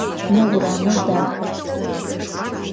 Мо урамыр дахэ.